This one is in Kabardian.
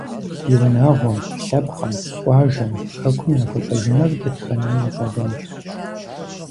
И унагъуэм, лъэпкъым, къуажэм, хэкум яхуэпэжыныр дэтхэнэми и къалэнщ.